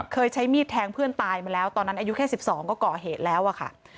เคยใช้มีดแทงเพื่อนตายมาแล้วตอนนั้นอายุแค่๑๒ก็ก่อเหตุแล้วอะค่ะ